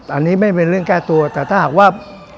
อันนี้ไม่เป็นเรื่องแก้ตัวแต่ถ้าหากว่า